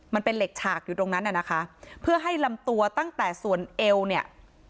มันเป็นเหล็กฉากอยู่ตรงนั้นน่ะนะคะเพื่อให้ลำตัวตั้งแต่ส่วนเอวเนี่ย